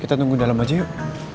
kita tunggu dalam aja yuk